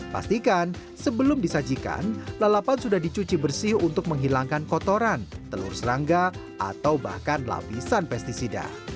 pastikan sebelum disajikan lalapan sudah dicuci bersih untuk menghilangkan kotoran telur serangga atau bahkan lapisan pesticida